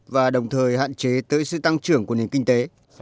và đồng thời hạn chế tới sự tăng trưởng của nền kinh tế